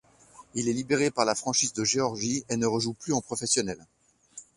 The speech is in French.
Il est libéré par la franchise de Géorgie et ne rejoue plus en professionnel.